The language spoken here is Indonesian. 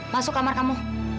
masuk kamar kamu